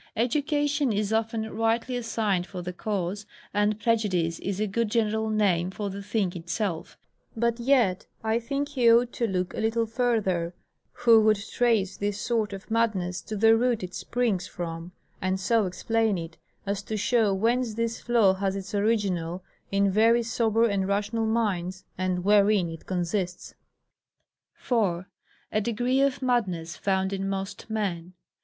Education is often rightly assigned for the cause, and prejudice is a good general name for the thing itself: but yet, I think, he ought to look a little further, who would trace this sort of madness to the root it springs from, and so explain it, as to show whence this flaw has its original in very sober and rational minds, and wherein it consists. 4. A Degree of Madness found in most Men.